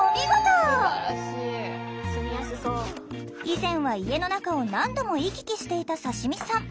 以前は家の中を何度も行き来していたさしみさん。